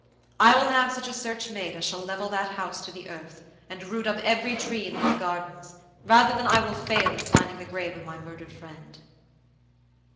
I will have such a search made as shall level that house to the earth and root up every tree in these gardens, rather than I will fail in finding the grave of my murdered friend."